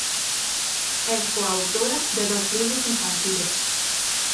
Es coautora de dos libros infantiles.